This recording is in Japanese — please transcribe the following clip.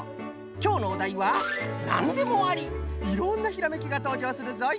きょうのおだいはいろんなひらめきがとうじょうするぞい。